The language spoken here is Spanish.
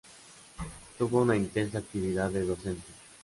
Tuvo una intensa actividad de docente.